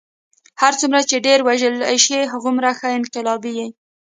هر څومره چې ډېر وژلی شې هغومره ښه انقلابي یې.